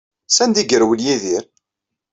Sanda ay yerwel Yidir?